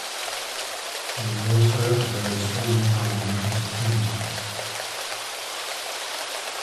He was also a very strong Parliamentary performer.